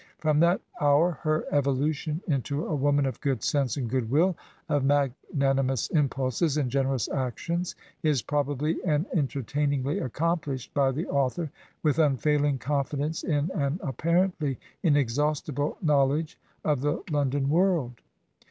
From that hour her evolution 28 Digitized by VjOOQIC TWO HEROINES OF MARIA EDGEWORTH*S into a woman of good sense and good will, of magnani mous impulses and generous actions is probably and entertainingly accomplished by the author, with un failing confidence in an apparently inexhaustible knowl edge of the London world.